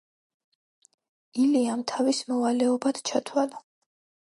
ილიამ თავის მოვალეობად ჩათვალა